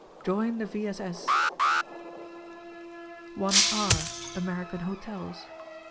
Join the V. S. S. ! IR. American Hotels.